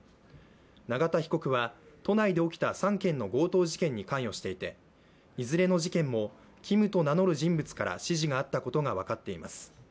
永田被告は都内で起きた３件の強盗事件に関与していていずれの事件もＫｉｍと名乗る人物から指示があったことが分かっています。